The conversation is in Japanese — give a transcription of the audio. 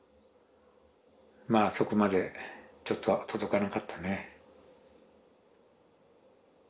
まあそこまでちょっと届かなかったね。